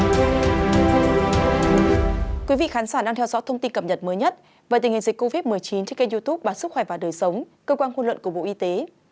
thưa quý vị khán giả đang theo dõi thông tin cập nhật mới nhất về tình hình dịch covid một mươi chín trên kênh youtube báo sức khỏe và đời sống cơ quan ngôn luận của bộ y tế